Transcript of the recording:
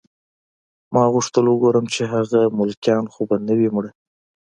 ما غوښتل وګورم چې هغه ملکیان خو به نه وي مړه